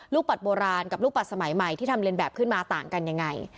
ปัดโบราณกับลูกปัดสมัยใหม่ที่ทำเรียนแบบขึ้นมาต่างกันยังไง